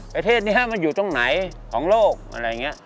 ประเทศนี้มันอยู่ตรงไหนของโลกอะไรอย่างนี้